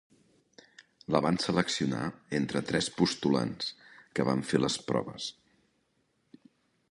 La van seleccionar entre tres postulants que van fer les proves.